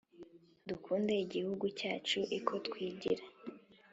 dukunde igihugu cyacu iko twigira